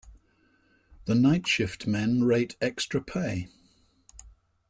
The night shift men rate extra pay.